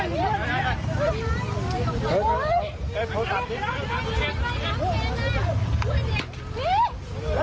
ใจเย็นหลุม